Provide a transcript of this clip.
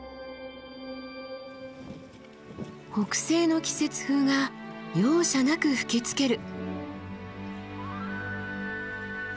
北西の季節風が容赦なく吹きつける。